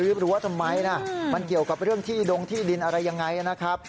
รั้วทำไมนะมันเกี่ยวกับเรื่องที่ดงที่ดินอะไรยังไงนะครับ